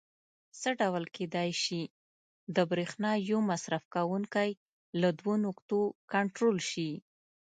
څه ډول کېدای شي د برېښنا یو مصرف کوونکی له دوو نقطو کنټرول شي؟